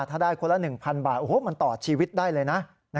ถ้าได้คนละ๑๐๐บาทโอ้โหมันต่อชีวิตได้เลยนะ